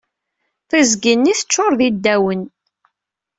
Tiẓgi-nni teccuṛ d iddawen.